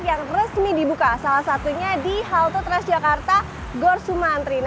yang resmi dibuka salah satunya di halte transjakarta gorsumantri